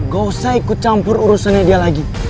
gak usah ikut campur urusannya dia lagi